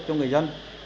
cho người dân